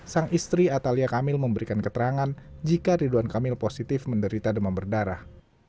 jadi atalia kamil memberikan keterangan jika ridwan kamil positif menderita demam berdarah